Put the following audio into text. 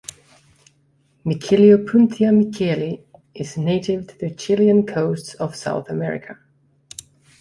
"Miqueliopuntia miqueli" is native to the Chilean coasts of South America.